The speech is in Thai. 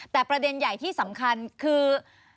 แต่ประเด็นใหญ่ที่สำคัญคือ